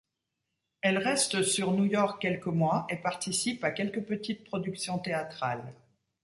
Elle reste sur New York quelques mois et participe à quelques petites productions théâtrales.